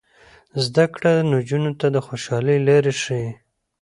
زده کړه نجونو ته د خوشحالۍ لارې ښيي.